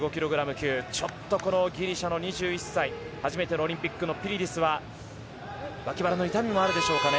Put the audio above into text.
級ちょっとギリシャの２１歳初めてのオリンピックのピリディスは脇腹の痛みもあるでしょうか。